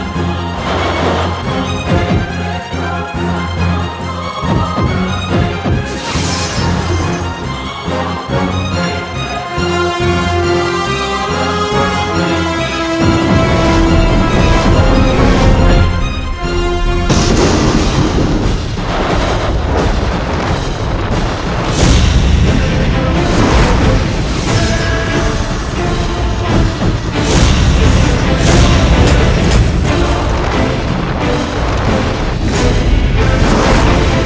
dengan punya cara tremendous